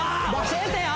教えてよ！